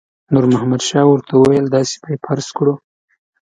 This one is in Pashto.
نور محمد شاه ورته وویل داسې به یې فرض کړو.